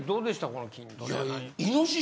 この筋トレ。